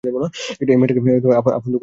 এই মেয়েটাকে আপনার দোকানের কোথাও লুকাতে দিন।